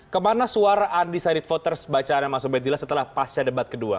kemana suara undecided voters bacaan mas ubedillah setelah pasca debat kedua